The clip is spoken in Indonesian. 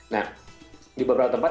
nah di beberapa tempat